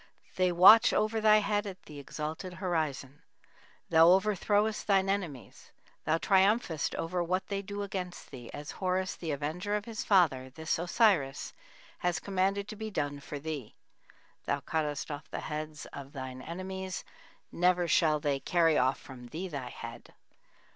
They watch over thy head at the exalted horizon. Thou overthrowest thine enemies; thou triumphest over what they do against thee, as Horus, the avenger of his father, this Osiris has commanded to be done for thee. Thou cuttest off the heads of thine enemies; never shall they carry off from thee thy head